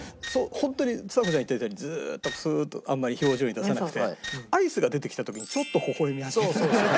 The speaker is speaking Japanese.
ホントにちさ子ちゃん言ったみたいにずーっとスーッとあんまり表情に出さなくてアイスが出てきた時にちょっとほほ笑み始めたんですよね。